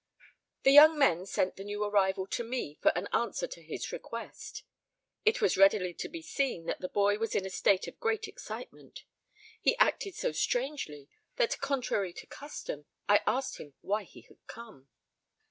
The young men sent the new arrival to me for an answer to his request. It was readily to be seen that the boy was in a state of great excitement. He acted so strangely that, contrary to custom, I asked him why he had come.